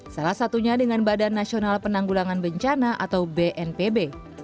salah satunya dengan badan nasional penanggulangan bencana atau bnpb